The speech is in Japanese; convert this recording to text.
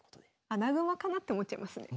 穴熊かなって思っちゃいますね。